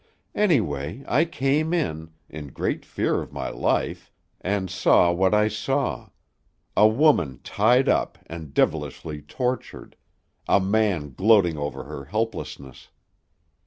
Anyway, I came in, in great fear of my life, and saw what I saw a woman tied up and devilishly tortured, a man gloating over her helplessness.